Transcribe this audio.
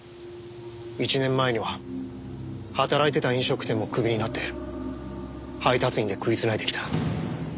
１年前には働いてた飲食店もクビになって配達員で食い繋いできた。